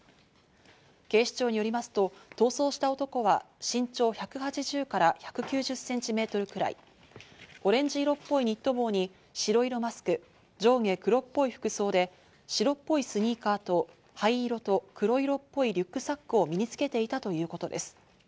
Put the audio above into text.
警視庁によりますと逃走した男は、身長１８０から１９０センチメートルくらい、オレンジ色っぽいニット帽に白色マスク、上下黒っぽい服装で、白っぽいスニーカーと灰色と黒色っぽいリュックサックを身につけていたということです。